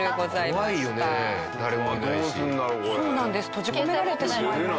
閉じ込められてしまいました。